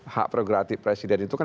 hak prerogatif presiden itu kan